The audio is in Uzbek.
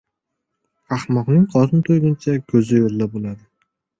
• Axmoqning qorni to‘yguncha ko‘zi yo‘lda bo‘ladi.